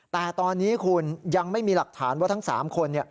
แต่ตอนนี้คุณยังไม่มีหลักฐานว่าทั้ง๓คน